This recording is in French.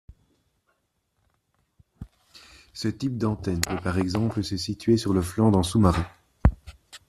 Ce type d’antenne peut par exemple se situer sur le flanc d’un sous-marin.